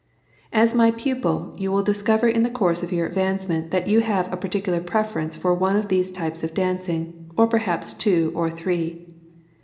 As my pupil you will discover in the course of your advancement that you have a particular preference for one of these types of dancing, or perhaps two, or three.